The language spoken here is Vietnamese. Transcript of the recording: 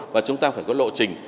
và chúng ta phải có lộ trình